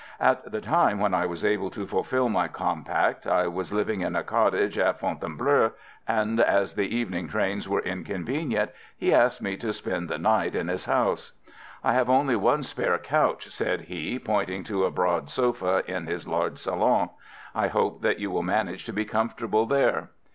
At the time when I was able to fulfil my compact I was living in a cottage at Fontainebleau, and as the evening trains were inconvenient, he asked me to spend the night in his house. "I have only that one spare couch," said he, pointing to a broad sofa in his large salon; "I hope that you will manage to be comfortable there."